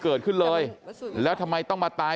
เกิดขึ้นเลยแล้วทำไมต้องมาตาย